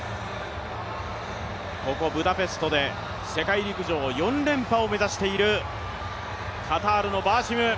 ここ、ブダペストで世界陸上４連覇を目指しているカタールのバーシム。